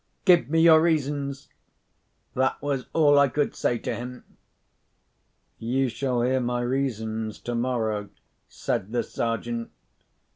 "Give me your reasons!" That was all I could say to him. "You shall hear my reasons tomorrow," said the Sergeant.